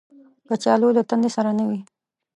کچالو له تندې سره نه وي